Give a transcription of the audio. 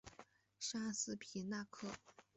沙斯皮纳克。